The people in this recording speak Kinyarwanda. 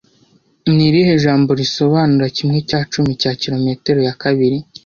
Ni irihe jambo risobanura kimwe cya cumi cya kilometero ya kabili